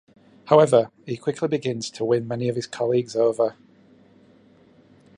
However, he quickly begins to win many of his colleagues over.